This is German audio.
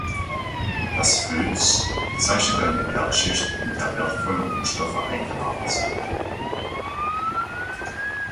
Das „Flöz“ bezeichnet eine Erdschicht, in der wertvolle Rohstoffe eingelagert sind.